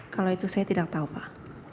kalau itu saya tidak tahu pak